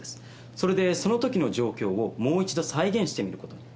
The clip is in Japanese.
それでそのときの状況をもう一度再現してみることに。